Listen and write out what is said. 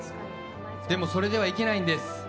でも、それではいけないんです。